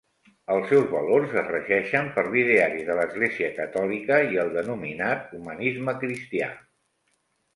Els seus valors es regeixen per l'ideari de l'Església catòlica i el denominat humanisme cristià.